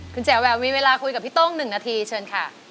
คุณแจ๋แววมีเวลาคุยกับพี่โต้ง๑นาทีเชิญค่ะ